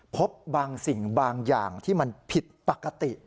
พบบางสิ่งบางอย่างที่มันผิดปกติ